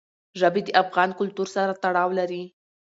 ژبې د افغان کلتور سره تړاو لري.